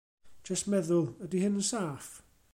Jyst meddwl, ydy hyn yn saff?